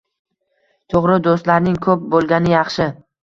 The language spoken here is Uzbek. – To‘g‘ri, do‘stlarning ko‘p bo‘lgani yaxshi